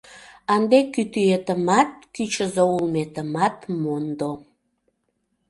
Ынде кӱтӱэтымат, кӱчызӧ улметымат мондо.